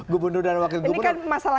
gubernur dan wakil gubernur kan masalah